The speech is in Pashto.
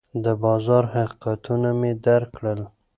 د بازار حقیقتونه مې درک کړل.